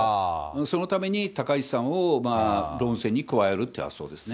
そのために高市さんを論戦に加えるという発想ですね。